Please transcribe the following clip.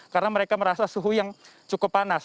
karena mereka merasa suhu yang cukup panas